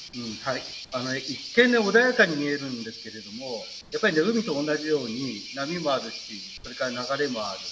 一見、穏やかに見えるんですけれどもやっぱり海と同じように波もあるしそれから流れもある。